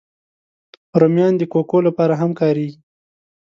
رومیان د کوکو لپاره هم کارېږي